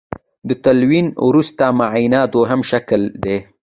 د تلوین وروسته معاینه دویم شکل دی.